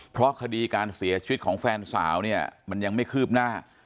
เพราะคดีการเสียชีวิตของแฟนสาวเนี่ยมันยังไม่คืบหน้า